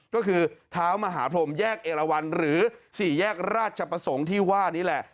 ก็คือเท้ามหาพรมแยกเอลวันหรือ๔แยกราชประสงค์ที่ว่านี่แหละ